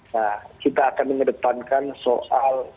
nah kita akan mengedepankan soal